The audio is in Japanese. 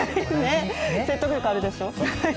説得力あるでしょ？